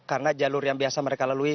karena jalur yang biasa mereka lalui